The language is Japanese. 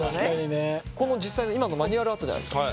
この実際の今のマニュアルあったじゃないですか。